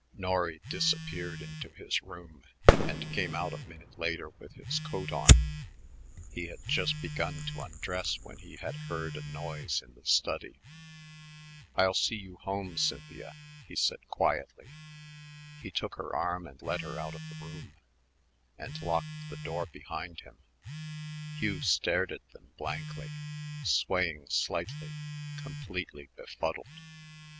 Norry disappeared into his room and came out a minute later with his coat on; he had just begun to undress when he had heard a noise in the study. "I'll see you home, Cynthia," he said quietly. He took her arm and led her out of the room and locked the door behind him. Hugh stared at them blankly, swaying slightly, completely befuddled.